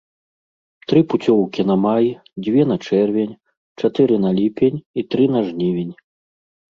Тры пуцёўкі на май, дзве на чэрвень, чатыры на ліпень і тры на жнівень.